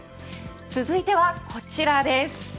続いては、こちらです。